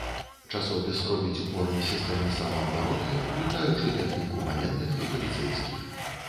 Часопіс робіць упор на сістэмы самаабароны, уключаючы тэхніку ваенных і паліцэйскіх.